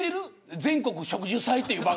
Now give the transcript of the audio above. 全国植樹祭っていう番組。